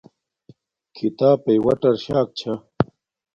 کھیتاپݵ وٹر شاک چھا